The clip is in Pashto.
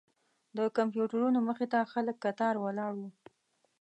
د کمپیوټرونو مخې ته خلک کتار ولاړ وو.